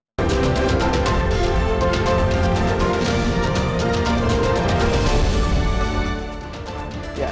kami akan segera kembali ke panggung depan